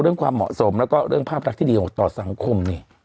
เรื่องความเหมาะสมและก็เรื่องภาพรักษณ์ที่ดีของต่อสังคม